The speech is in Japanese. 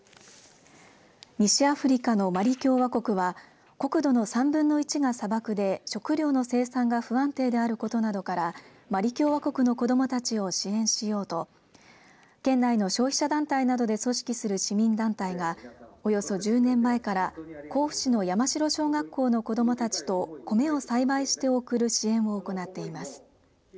西アフリカのマリ共和国は国土の３分の１が砂漠で食料の生産が不安定であることなどからマリ共和国の子どもたちを支援しようと県内の消費者団体などで組織する市民団体がおよそ１０年前から甲府市の山城小学校の子どもたちと米を栽培して送る支援を行っています。